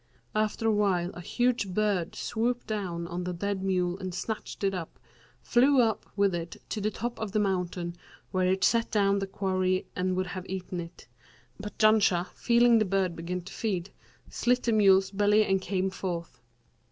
After a while a huge bird swooped down on the dead mule and snatching it up, flew up with it to the top of the mountain, where it set down the quarry and would have eaten it; but Janshah, feeling the bird begin to feed, slit the mule's belly and came forth.